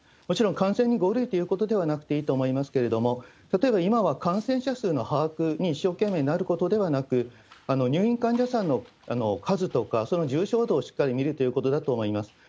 もちろん感染に５類でなくていいと思いますけれども、例えば今は感染者数の把握に一生懸命になることではなく、入院患者さんの数とか、その重症度をしっかり見るということだと思います。